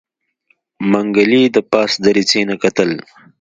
منګلي د پاس دريڅې نه کتل.